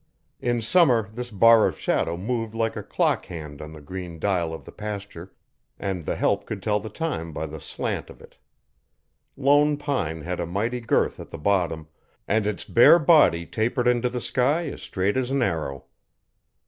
In summer this bar of shadow moved like a clock hand on the green dial of the pasture, and the help could tell the time by the slant of it. Lone Pine had a mighty girth at the bottom, and its bare body tapered into the sky as straight as an arrow.